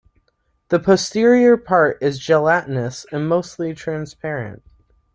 The posterior part is gelatinous and mostly transparent.